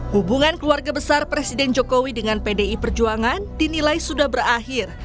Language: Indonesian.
hubungan keluarga besar presiden jokowi dengan pdi perjuangan dinilai sudah berakhir